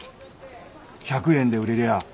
１００円で売れりゃあ